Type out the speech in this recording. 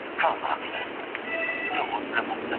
څېړنه پرمختګ راوړي.